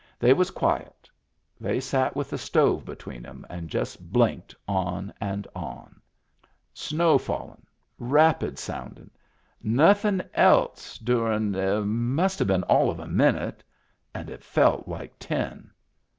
They was quiet. They sat with the stove between 'em and just blinked on and on. Snow fallin'; rapids soundin'; nothin' else durin' it must have been all of a minute — and it felt like ten.